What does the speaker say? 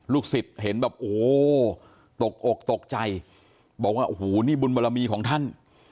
ลูกศิษย์เห็นแบบโหตกอกตกใจบอกว่าหูนี่บุญบรมีของท่าน